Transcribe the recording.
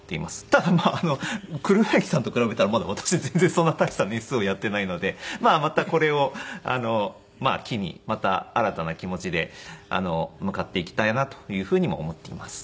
ただ黒柳さんと比べたらまだ私全然そんな大した年数をやっていないのでまたこれを機にまた新たな気持ちで向かっていきたいなというふうにも思っています。